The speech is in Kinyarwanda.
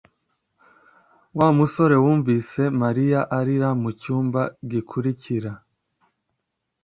Wa musore yumvise Mariya arira mucyumba gikurikira